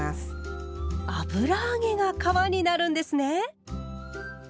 油揚げが皮になるんですね！